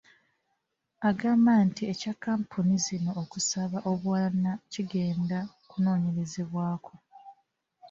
Agamba nti ekya kkampuni zino okusaba obuwanana kigenda kunoonyerezebwako.